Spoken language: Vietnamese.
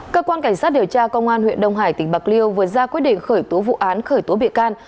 cơ quan cảnh sát điều tra công an huyện đông hải tỉnh bạc liêu vừa ra quyết định khởi tố vụ án khởi tố bị can